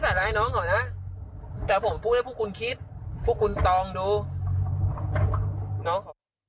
ร้ายน้องเขานะแต่ผมพูดให้พวกคุณคิดพวกคุณตองดูน้องเขา